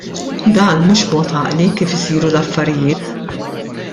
Dan mhux mod għaqli kif isiru l-affarijiet.